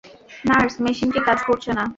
Nurse, মেশিনটি কাজ করছে না।